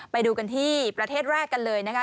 ไปดูกันที่ประเทศแรกกันเลยนะคะ